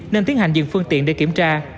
nên tiến hành dừng phương tiện để kiểm tra